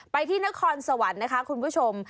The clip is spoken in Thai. ที่นครสวรรค์นะคะคุณผู้ชม